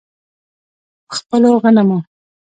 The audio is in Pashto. په خپلو غنمو.